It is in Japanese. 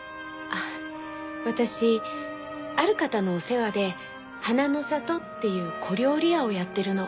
あっ私ある方のお世話で花の里っていう小料理屋をやってるの。